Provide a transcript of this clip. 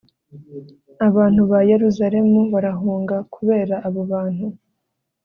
abaturage ba yeruzalemu barahunga kubera abo bantu